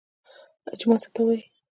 اجماع څه ته وایي؟